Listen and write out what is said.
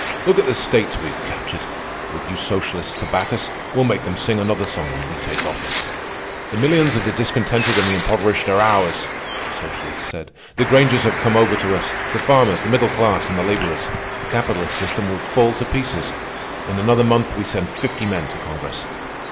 "Look at the states we've captured. With you socialists to back us, we'll make them sing another song when we take office." "The millions of the discontented and the impoverished are ours," the socialists said. "The Grangers have come over to us, the farmers, the middle class, and the laborers. The capitalist system will fall to pieces. In another month we send fifty men to Congress.